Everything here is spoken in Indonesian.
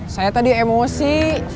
saya tadi emosi